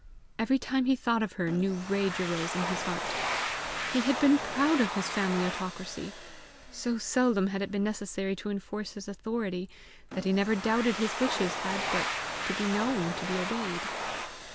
Every time he thought of her, new rage arose in his heart. He had been proud of his family autocracy. So seldom had it been necessary to enforce his authority, that he never doubted his wishes had but to be known to be obeyed.